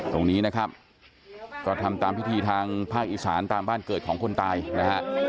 ตรงนี้นะครับก็ทำตามพิธีทางภาคอีสานตามบ้านเกิดของคนตายนะฮะ